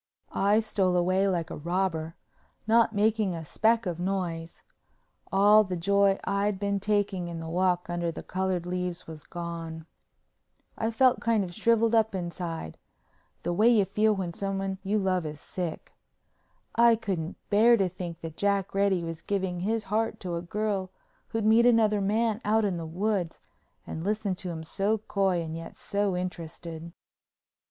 I stole away like a robber, not making a speck of noise. All the joy I'd been taking in the walk under the colored leaves was gone. I felt kind of shriveled up inside—the way you feel when someone you love is sick. I couldn't bear to think that Jack Reddy was giving his heart to a girl who'd meet another man out in the woods and listen to him so coy and yet so interested.